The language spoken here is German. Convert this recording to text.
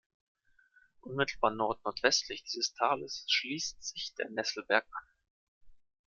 Unmittelbar nordnordwestlich dieses Tales schließt sich der Nesselberg an.